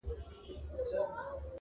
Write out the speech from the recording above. جام د میني راکړه,